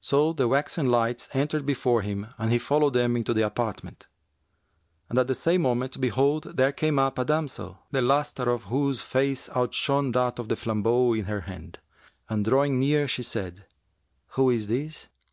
So the waxen lights entered before him and he followed them into the apartment. At the same moment, behold, there came up a damsel, the lustre of whose face outshone that of the flambeau in her hand, and drawing near she said, 'Who is this?'